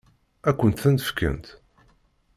Ad kent-ten-fkent?